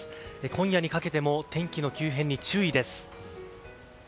今夜にかけても天気の急変に注意です。